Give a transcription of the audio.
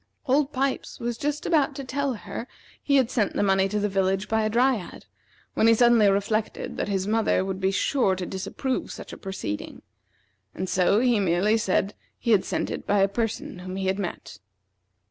Old Pipes was just about to tell her that he had sent the money to the village by a Dryad, when he suddenly reflected that his mother would be sure to disapprove such a proceeding, and so he merely said he had sent it by a person whom he had met.